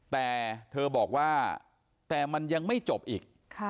แต่เธอบอกว่าแต่มันยังไม่จบอีก